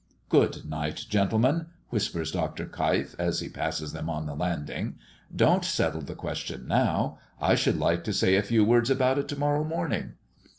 "Good night, gentlemen," whispers Dr. Keif, as he passes them on the landing. "Don't settle the question now; I should like to say a few words about it to morrow morning."